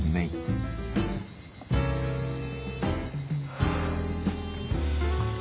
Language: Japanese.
はあ。